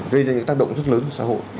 gây ra những tác động rất lớn của xã hội